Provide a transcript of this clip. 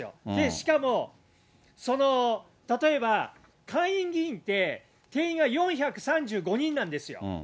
しかも例えば下院議員って、定員が４３５人なんですよ。